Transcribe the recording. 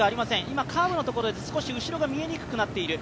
今、カーブのところで後ろが見えにくくなっている。